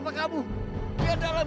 papa dikit ulan